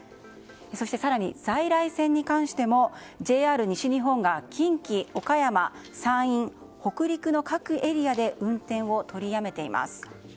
そして更に在来線に関してもＪＲ西日本が近畿、岡山、山陰、北陸の各エリアで運転を取りやめています。